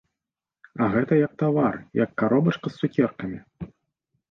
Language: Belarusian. А гэта як тавар, як каробачка з цукеркамі.